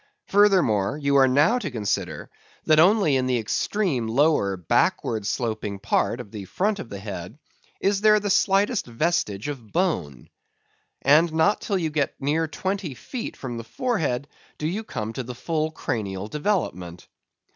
Furthermore, you are now to consider that only in the extreme, lower, backward sloping part of the front of the head, is there the slightest vestige of bone; and not till you get near twenty feet from the forehead do you come to the full cranial development.